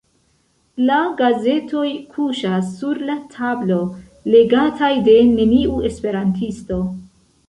La gazetoj kuŝas sur la tablo, legataj de neniu esperantisto.